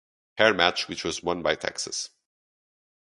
Hair match which was won by Texas.